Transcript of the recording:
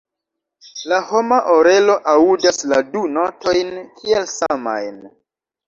La homa orelo aŭdas la du notojn kiel samajn.